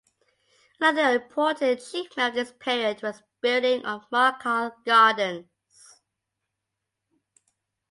Another important achievement of this period was building of Mughal gardens.